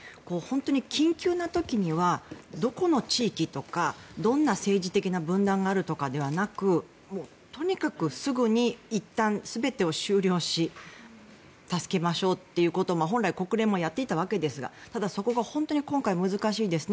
喫緊の時にはどんな政治だとかどんな政治的な分断があるとかではなくとにかくすぐにいったん全てを終了し助けましょうということを本来、国連もやっていたわけですがただ、そこが今回本当に難しいですね。